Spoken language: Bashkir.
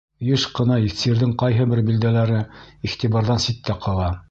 Йыш ҡына сирҙең ҡайһы бер билдәләре иғтибарҙан ситтә ҡала.